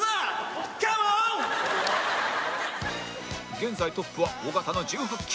現在トップは尾形の１８球。